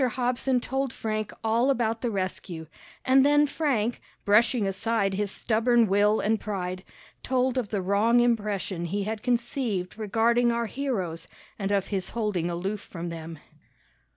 Hobson told Frank all about the rescue, and then Frank, brushing aside his stubborn will and pride, told of the wrong impression he had conceived regarding our heroes and of his holding aloof from them.